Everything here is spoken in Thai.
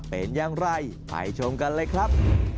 เป็นอย่างไรไปชมกันเลยครับ